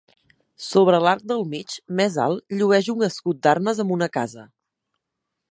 Sobre l'arc del mig, més alt, llueix un escut d'armes amb una casa.